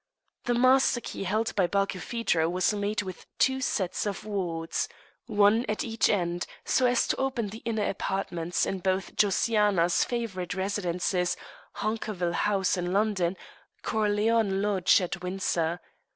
The master key held by Barkilphedro was made with two sets of wards, one at each end, so as to open the inner apartments in both Josiana's favourite residences Hunkerville House in London, Corleone Lodge at Windsor.